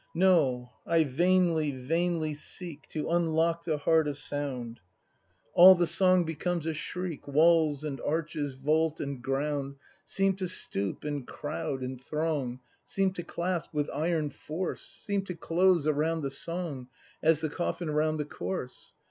. No, I vainly, vainly seek To unlock the heart of sound; 226 BRAND [act v All the song becomes a shriek. Walls and arches, vault and ground, Seem to stoop and crowd and throng, Seem to clasp with iron force, Seem to close around the song. As the coffin round the corse!